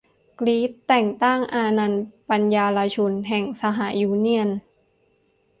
กรี๊ด แต่งตั้ง อานันน์ ปันยารชุน แห่งสหยูเนี่ยน